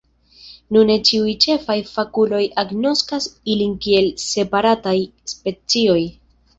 Nune ĉiuj ĉefaj fakuloj agnoskas ilin kiel separataj specioj.